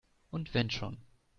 Und wenn schon!